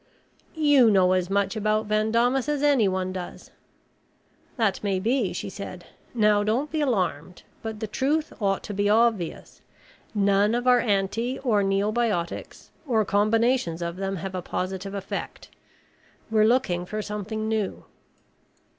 "You know as much about Van Daamas as anyone does." "That may be," she said. "Now don't be alarmed, but the truth ought to be obvious. None of our anti or neobiotics or combinations of them have a positive effect. We're looking for something new."